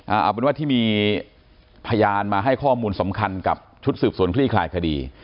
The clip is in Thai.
เอาเป็นว่าที่มีพยานมาให้ข้อมูลสำคัญกับชุดสืบสวนคลี่คลายคดี